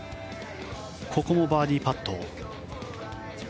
ここもバーディーパット。